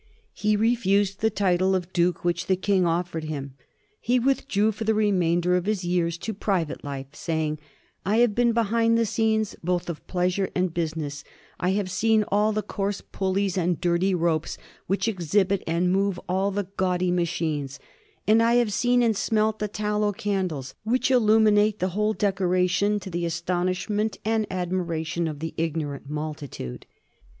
He refused the title of duke which the King offered him. He withdrew for the remainder of his years to private life, saying: ^' I have been behind the scenes both of pleasure and business; I have seen all the coarse pulleys and dirty ropes which exhibit and move all the gaudy machines; and I have seen and smelt the tallow candles which illuminate the whole dec 1761. "GIVE US BACK OUR ELEVEN DAY&" 21 5 <Nration to the astonishment and admiration of the igno rant multitude."